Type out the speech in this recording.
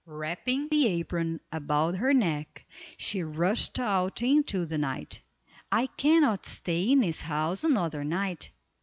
Wrapping the apron about her neck, she rushed out into the night. "I cannot stay in this house another night.